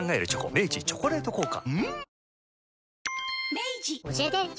明治「チョコレート効果」